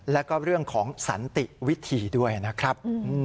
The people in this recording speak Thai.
แล้วก็เรื่องของสันติวิธีด้วยนะครับ